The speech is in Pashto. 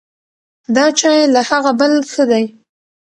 دا چای له هغه بل ښه دی.